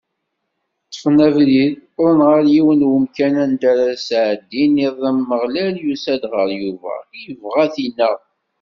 Ṭṭfen abrid, wwḍen ɣer yiwen n wemkan anda ara sɛeddin iḍ, Ameɣlal yusa-d ɣer Yuba, ibɣa ad t-ineɣ.